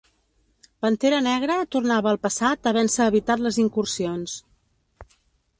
Pantera Negra tornava al passat havent-se evitat les incursions.